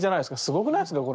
すごくないですか？